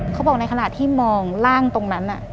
เขาบอกในขณะที่มองร่างตรงนั้น